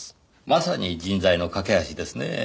まさに人材の架け橋ですねぇ。